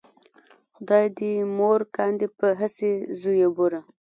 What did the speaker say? خدای دې مور کاندې په هسې زویو بوره